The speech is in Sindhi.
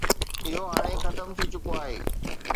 اهو هاڻي ختم ٿي چڪو آهي.